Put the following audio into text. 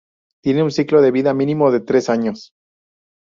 Tienen un ciclo de vida mínimo de tres años.